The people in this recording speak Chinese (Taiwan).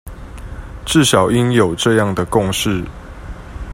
至少應有這樣的共識